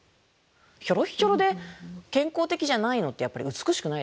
ひょろっひょろで健康的じゃないのってやっぱり美しくないですから。